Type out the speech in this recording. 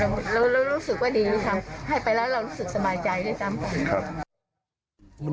เรารู้สึกว่าดีทำให้ไปแล้วเรารู้สึกสบายใจด้วยซ้ำไป